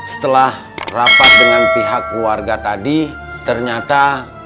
setelah rapat dengan pihak warga tadi ternyata